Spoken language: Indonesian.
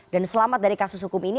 dan selamat dari kasus hukum ini